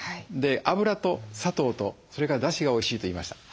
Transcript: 脂と砂糖とそれからだしがおいしいと言いました。